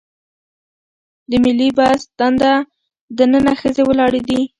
د ملي بس دننه ښځې ولاړې دي.